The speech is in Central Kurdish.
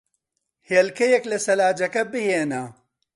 هێلکەیەک لە سەلاجەکە بھێنە.